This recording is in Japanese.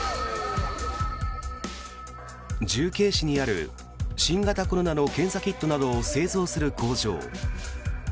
重慶市にある新型コロナの検査キットなどを製造する工場。